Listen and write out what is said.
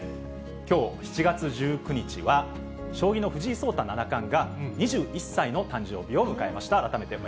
きょう７月１９日は、将棋の藤井聡太七冠が２１歳の誕生日を迎えました。